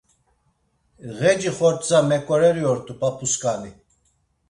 Ğeci xordza meǩoreri ort̆u p̌ap̌uskani.